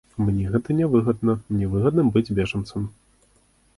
Мне гэта нявыгадна, мне выгадна быць бежанцам!